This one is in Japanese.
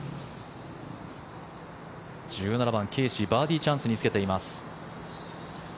１７番、ケーシーバーディーチャンスにつけています。